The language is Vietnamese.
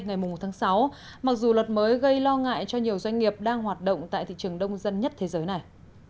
ngày một tháng sáu mặc dù luật mới gây lo ngại cho nhiều doanh nghiệp đang hoạt động tại thị trường đông dân nhất thế giới này